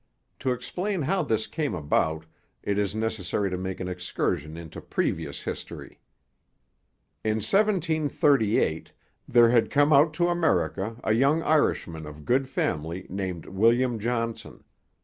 To explain how this came about it is necessary to make an excursion into previous history. In 1738 there had come out to America a young Irishman of good family named William Johnson.